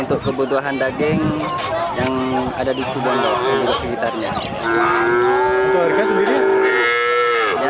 untuk kebutuhan daging yang ada di situ bondo dan juga sekitarnya